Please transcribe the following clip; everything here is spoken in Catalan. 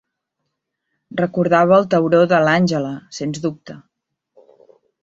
Recordava el tauró de l'Àngela, sens dubte.